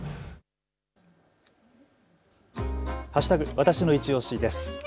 わたしのいちオシです。